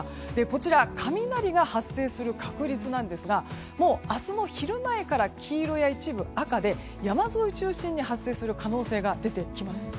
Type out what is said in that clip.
こちら、雷が発生する確率ですがもう明日の昼前から黄色や、一部は赤で山沿いを中心に発生する可能性が出てきます。